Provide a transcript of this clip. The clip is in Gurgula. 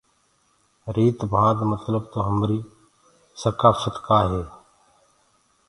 ريٚت ڀانت متلب تو همريٚ سڪآڦت ڪآ هي؟